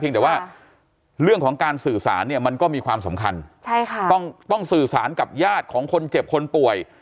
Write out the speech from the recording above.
แต่ว่าเรื่องของการสื่อสารเนี่ยมันก็มีความสำคัญต้องสื่อสารกับญาติของคนเจ็บคนป่วย